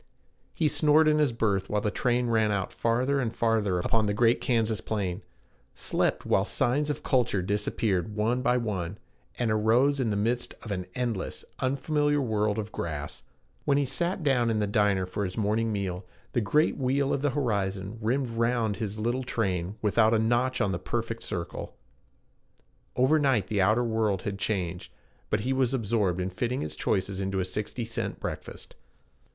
He snored in his berth while the train ran out farther and farther upon the great Kansas plain; slept while signs of culture disappeared one by one, and arose in the midst of an endless, unfamiliar world of grass. When he sat down in the diner for his morning meal, the great wheel of the horizon rimmed round his little train without a notch on the perfect circle; over night the outer world had changed, but he was absorbed in fitting his choices into a sixty cent breakfast.